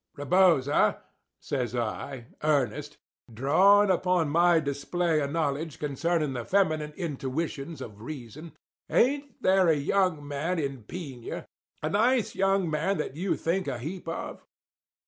"Rebosa," says I, earnest, drawing upon my display of knowledge concerning the feminine intuitions of reason—"ain't there a young man in Piña—a nice young man that you think a heap of?"